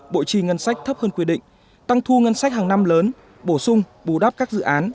bộ trì ngân sách thấp hơn quy định tăng thu ngân sách hàng năm lớn bổ sung bù đắp các dự án